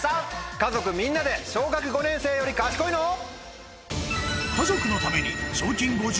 家族みんなで『小学５年生より賢いの？』。